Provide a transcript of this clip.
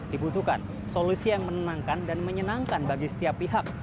dibutuhkan solusi yang menenangkan dan menyenangkan bagi setiap pihak